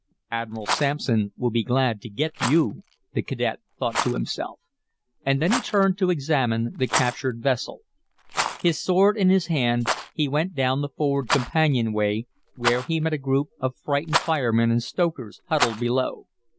"Admiral Sampson will be glad to get you," the cadet thought to himself. And then he turned to examine the captured vessel. His sword in his hand, he went down the forward companionway, where he met a group of frightened firemen and stokers huddled below.